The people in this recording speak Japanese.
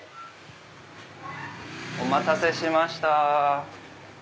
お待たせしました。